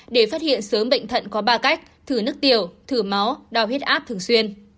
để phát hiện sớm bệnh thận có ba cách thử nước tiểu thử máu đau huyết áp thường xuyên